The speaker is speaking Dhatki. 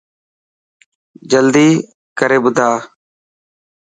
جلدي ڪر ٻڌا.